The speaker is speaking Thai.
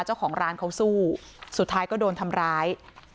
เจ้าของร้านเขาสู้สุดท้ายก็โดนทำร้าย